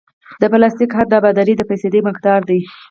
د پلاستیک حد د ابدارۍ د فیصدي مقدار دی